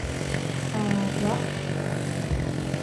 Ah, bah !